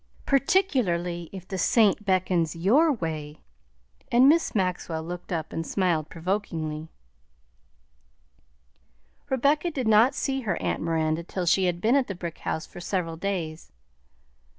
"Particularly if the saint beckons your way." And Miss Maxwell looked up and smiled provokingly. Rebecca did not see her aunt Miranda till she had been at the brick house for several days.